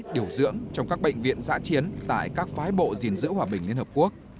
điều dưỡng trong các bệnh viện dạ chiến tại các phái bộ dình giữ hòa bình liên hợp quốc